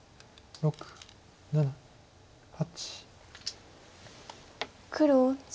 ６７８。